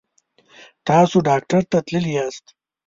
تاسو ډاکټر ته تللي یاست؟